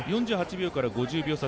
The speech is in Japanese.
４８秒から５０秒差